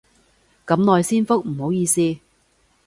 咁耐先覆，唔好意思